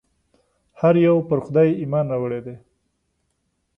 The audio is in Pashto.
هر یو پر خدای ایمان راوړی دی.